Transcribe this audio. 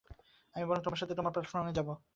আমি বরং তোমার সাথে তোমার প্ল্যাটফর্মে যাবো।